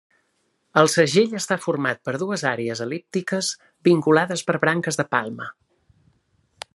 El segell està format per dues àrees el·líptiques, vinculades per branques de palma.